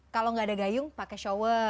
kalau nggak ada gayung pakai shower